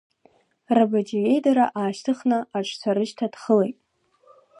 Рабаџьы иеидара аашьҭыхны аҽцәа рышьҭа дхылеит.